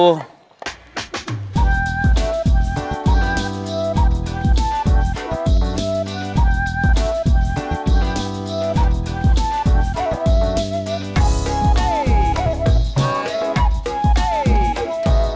jangan gitu atu